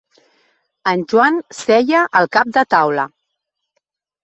En Joan seia al cap de taula.